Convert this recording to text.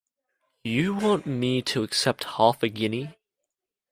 You want me to accept half a guinea?